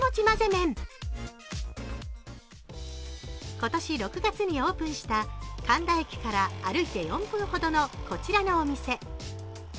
今年６月にオープンした神田駅から歩いて４分ほどのこちらのお店。